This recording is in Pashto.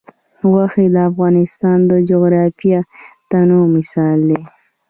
غوښې د افغانستان د جغرافیوي تنوع مثال دی.